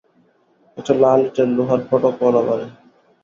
একটা লাল ইটের লোহার ফটকওয়ালা বাড়ি।